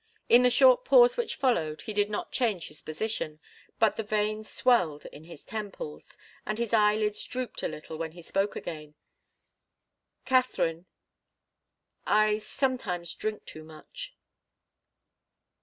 In the short pause which followed he did not change his position, but the veins swelled in his temples, and his eyelids drooped a little when he spoke again. "Katharine I sometimes drink too much."